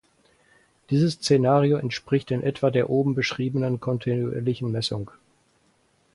Dieses Szenario entspricht in etwa der oben beschriebenen kontinuierlichen Messung.